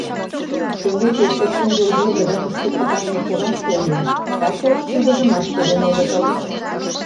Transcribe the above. Теҥгече эше кум йолвурго да кушкед пытарыме коваште ыле, тачылан тудыжымат коден огытыл.